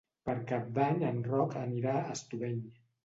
Per Cap d'Any en Roc anirà a Estubeny.